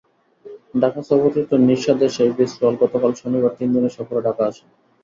ঢাকা সফররত নিশা দেশাই বিসওয়াল গতকাল শনিবার তিন দিনের সফরে ঢাকা আসেন।